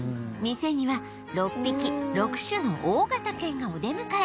店には６匹６種の大型犬がお出迎え